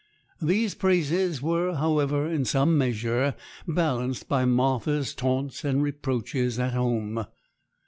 These praises were, however, in some measure balanced by Martha's taunts and reproaches at home.